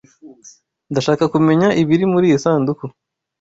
Ndashaka kumenya ibiri muriyi sanduku.